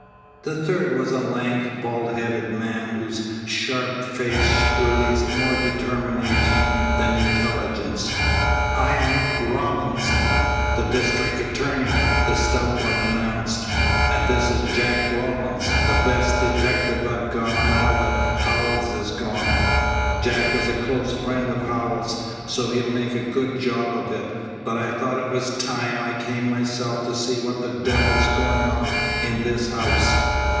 The third was a lank, bald headed man, whose sharp face released more determination than intelligence. "I am Robinson, the district attorney," the stout one announced, "and this is Jack Rawlins, the best detective I've got now that Howells is gone. Jack was a close friend of Howells, so he'll make a good job of it, but I thought it was time I came myself to see what the devil's going on in this house."